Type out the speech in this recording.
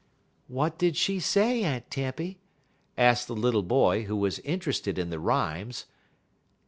"What did she say, Aunt Tempy?" asked the little boy, who was interested in the rhymes.